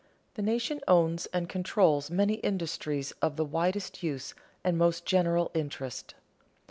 _The nation owns and controls many industries of the widest use and most general interest.